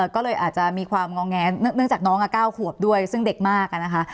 ก็เลยอาจจะมีความงอแงเนื่องจากน้อง๙ขวบด้วยซึ่งเด็กมากนะคะ